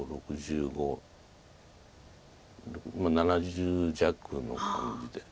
まあ７０弱の感じで。